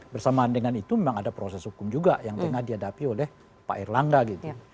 bersamaan dengan itu memang ada proses hukum juga yang tengah dihadapi oleh pak erlangga gitu